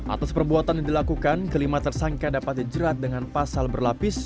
atas perbuatan yang dilakukan kelima tersangka dapat dijerat dengan pasal berlapis